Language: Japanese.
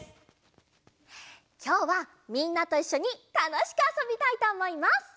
きょうはみんなといっしょにたのしくあそびたいとおもいます！